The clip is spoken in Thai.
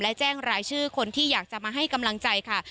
และแจ้งรายชื่อคนที่อยากจะมาให้กำลังใจค่ะ